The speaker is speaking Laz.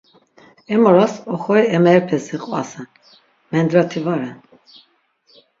Em oras, oxori emerepes iqvasen, mendrati va ren.